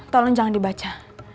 tolong jangan dibaca